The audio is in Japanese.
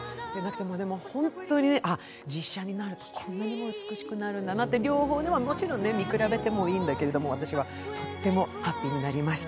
本当にね、実写になると、こんなにも美しくなるんだなと両方見比べてもいいんだけれど、とってもハッピーになりました。